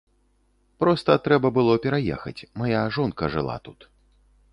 Проста трэба было пераехаць, мая жонка жыла тут.